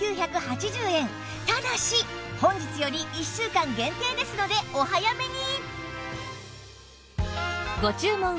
ただし本日より１週間限定ですのでお早めに！